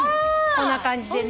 こんな感じでね。